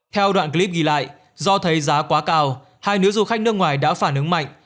theo đoạn clip ghi lại do thấy giá quá cao hai nữ du khách nước ngoài đã phản ứng mạnh